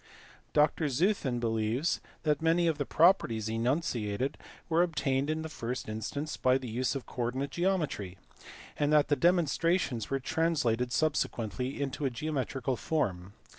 Dr Zeuthen believes that many of the properties enunciated were obtained in the first instance by the use of coordinate geometry, and that the demonstrations were translated subsequently into a geometrical form.